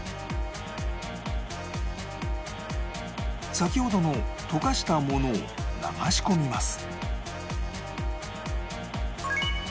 先ほどの溶かしたものを流し込みます